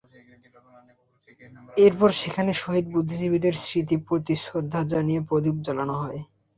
এরপর সেখানে শহীদ বুদ্ধিজীবীদের স্মৃতির প্রতি শ্রদ্ধা জানিয়ে প্রদীপ জ্বালানো হয়।